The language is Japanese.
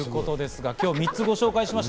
今日は３つご紹介しました。